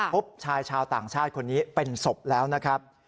พบชายชาวต่างชาติคนนี้เป็นศพแล้วนะครับ